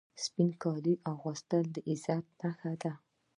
سپین کالي اغوستل د عزت نښه ده.